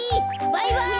バイバイ！